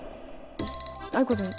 藍子さん。